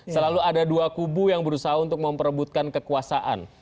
selalu ada dua kubu yang berusaha untuk memperebutkan kekuasaan